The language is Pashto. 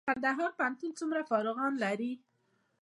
کندهار پوهنتون څومره فارغان لري؟